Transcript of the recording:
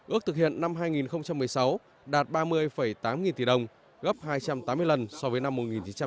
ước thực hiện năm hai nghìn một mươi sáu đạt ba mươi tám nghìn tỷ đồng gấp hai trăm tám mươi lần so với năm một nghìn chín trăm bảy mươi